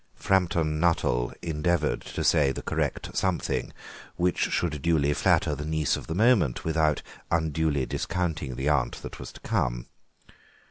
Framton Nuttel endeavoured to say the correct something which should duly flatter the niece of the moment without unduly discounting the aunt that was to come.